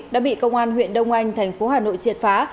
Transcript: đã bị công an huyện đông anh tp hà nội triệt phá